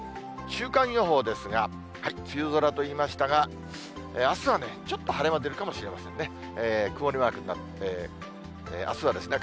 週間予報ですが、梅雨空といいましたが、あすはね、ちょっと晴れ間出るかもしれませんね。